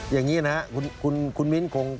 อย่างนี้นะครับคุณมิ้นคง